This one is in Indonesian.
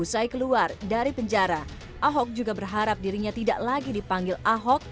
usai keluar dari penjara ahok juga berharap dirinya tidak lagi dipanggil ahok